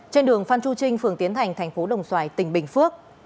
trên đường phan chu trinh phường tiến thành thành phố đồng xoài tỉnh bình phước